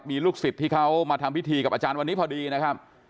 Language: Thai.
มีลูกศิษย์ที่เขามาทำพิธีกับอาจารย์วันนี้พอดีนะครับ